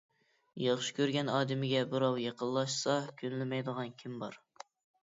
ياخشى كۆرگەن ئادىمىگە بىراۋ يېقىنلاشسا كۈنلىمەيدىغان كىم بار؟